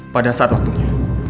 pada saat waktunya